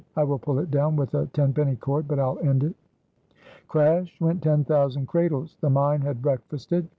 I will pull it down with a tenpenny cord but I'll end it." Crash! went ten thousand cradles; the mine had breakfasted.